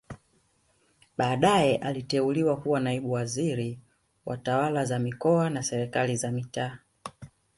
Baadae aliteuliwa kuwa naibu waziri wa tawala za mikoa na serikali za mitaa